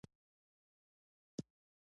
دښتې د ځمکې د جوړښت نښه ده.